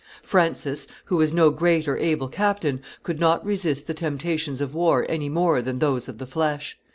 Francis, who was no great or able captain, could not resist the temptations of war any more than those of the flesh.